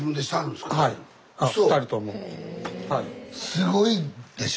すごいでしょ？